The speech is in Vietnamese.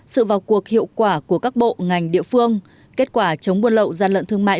sự vào cuộc hiệu quả của các bộ ngành địa phương kết quả chống buôn lậu gian lận thương mại